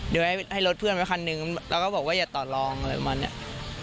เดี๋ยวให้รถเพื่อนไปคันนึงแล้วก็บอกว่าอย่าต่อลองอะไรประมาณนี้